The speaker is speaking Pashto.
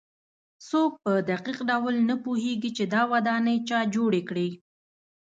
څوک په دقیق ډول نه پوهېږي چې دا ودانۍ چا جوړې کړې.